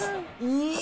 いい！